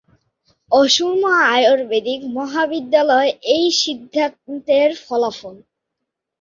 অসম আয়ুর্বেদিক মহাবিদ্যালয় এই সিদ্ধান্তের ফলাফল।